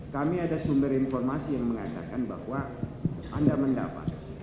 kami ada sumber informasi yang mengatakan bahwa anda mendapat